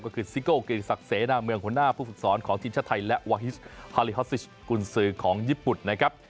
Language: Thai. ก็คือซิโก้เกียรติศักดิเสนาเมืองหัวหน้าผู้ฝึกสอนของทีมชาติไทยและวาฮิสฮาลิฮอสซิชกุญสือของญี่ปุ่นนะครับ